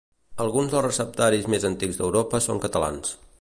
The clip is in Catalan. Alguns dels receptaris més antics d'Europa són catalans.